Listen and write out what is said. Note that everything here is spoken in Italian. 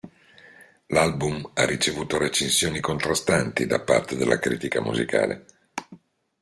L'album ha ricevuto recensioni contrastanti da parte della critica musicale.